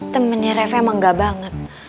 temennya reve emang gak banget